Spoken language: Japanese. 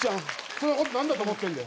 人のこと何だと思ってんだよ。